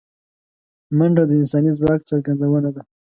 منډه د انساني ځواک څرګندونه ده